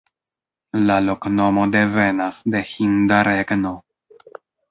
La loknomo devenas de hinda regno.